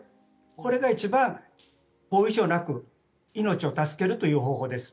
これが一番、後遺症なく命を助けるという方法です。